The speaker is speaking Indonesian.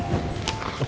kenapa harus cap jempol